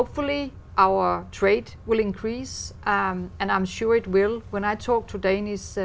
muốn gửi câu hỏi về đài loan